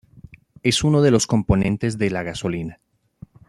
Es uno de los componentes de la gasolina.